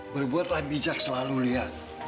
berbuatlah bijak selalu lia